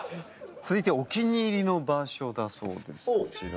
続いてはお気に入りの場所だそうですこちら。